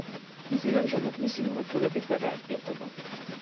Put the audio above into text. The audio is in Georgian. მზე ამჟამად მისი მიმართულებით გადაადგილდება.